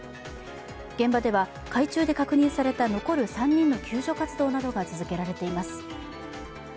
現場では海中で確認された残る３人の救助活動などが続けられています。